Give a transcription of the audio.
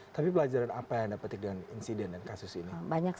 tapi pelajaran apa yang anda petik dengan insiden dan kasus ini